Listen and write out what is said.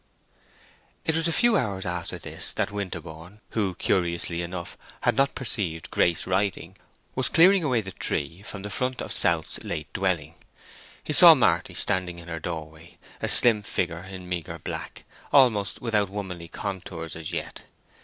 It was a few hours after this that Winterborne, who, curiously enough, had not perceived Grace writing, was clearing away the tree from the front of South's late dwelling. He saw Marty standing in her door way, a slim figure in meagre black, almost without womanly contours as yet.